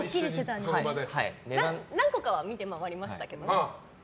何個かは見て回りましたけどね。